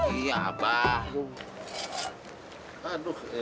ini udah makan belum ya